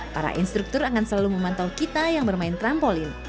para instruktur akan selalu memantau kita yang bermain trampolin